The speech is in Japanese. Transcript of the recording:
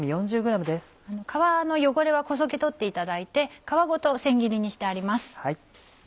皮の汚れはこそげ取っていただいて皮ごと千切りにしてあります。